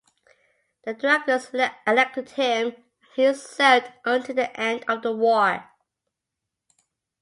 The directors elected him, and he served until the end of the war.